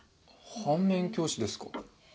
反面教師ですか？